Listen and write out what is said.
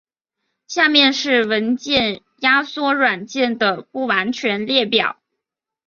下面是文件压缩软件的不完全列表。